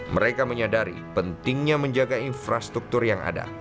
mereka menyadari pentingnya menjaga infrastruktur yang ada